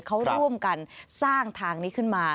เขาร่วมกันสร้างทางนี้ขึ้นมา